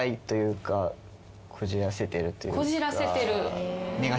こじらせてる？